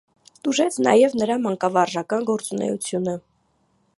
Տուժեց նաև նրա մանկավարժական գործունեությունը։